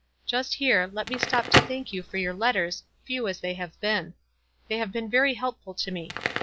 Just here, let me stop to thank you for your letters, few as they have been. They have been very helpful to me.